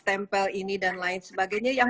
tempel ini dan lain sebagainya yang